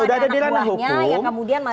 udah ada di ranah hukum